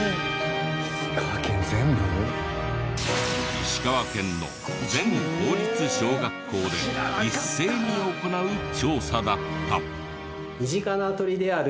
石川県の全公立小学校で一斉に行う調査だった。